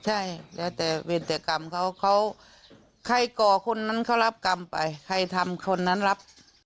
ใช่แล้วแต่เวรกรรมเขาเขาใครก่อคนนั้นเขารับกรรมไปใครทำคนนั้นรับ